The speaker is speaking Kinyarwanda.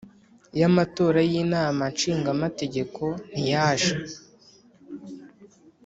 y Amatora y inama nshingamategeko ntiyaje